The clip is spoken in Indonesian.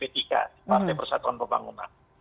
partai persatuan pembangunan